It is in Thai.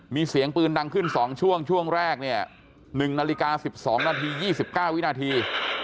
มีเสียงปืนดังขึ้น๒ช่วงช่วงแรกเนี่ย๑นาฬิกา๑๒นาที๒๙วินาที